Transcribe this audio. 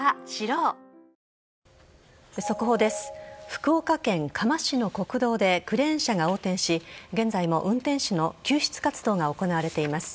福岡県嘉麻市の国道でクレーン車が横転し現在も運転手の救出活動が行われています。